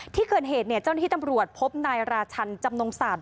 ที่เกิดเหตุเจ้าหน้าที่ตำรวจพบนายราชันจำนงศาสต